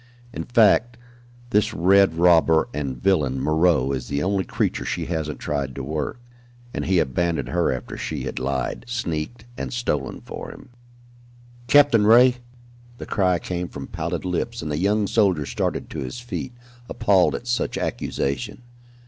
In fact this red robber and villain, Moreau, is the only creature she hasn't tried to 'work,' and he abandoned her after she had lied, sneaked and stolen for him." "Captain Ray!" The cry came from pallid lips, and the young soldier started to his feet, appalled at such accusation.